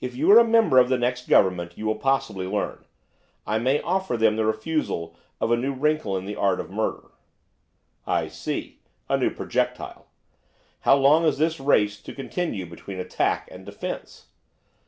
'If you are a member of the next government, you will possibly learn; I may offer them the refusal of a new wrinkle in the art of murder.' 'I see, a new projectile. How long is this race to continue between attack and defence?